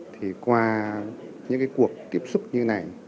thì qua những cuộc tiếp xúc như này